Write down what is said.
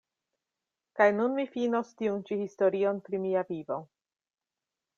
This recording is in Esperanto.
Kaj nun mi finos tiun-ĉi historion pri mia vivo.